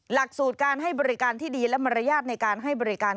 หลักสูตรการให้บริการที่ดีและมารยาทในการให้บริการ